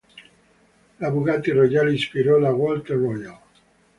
La Bugatti Royale ispirò la "Walter Royal".